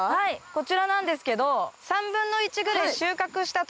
こちらなんですけど。